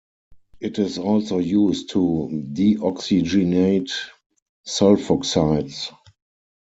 It is also used to deoxygenate sulfoxides.